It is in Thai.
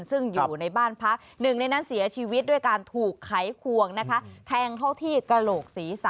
ซึ่งอยู่ในบ้านพักหนึ่งในนั้นเสียชีวิตด้วยการถูกไขควงนะคะแทงเข้าที่กระโหลกศีรษะ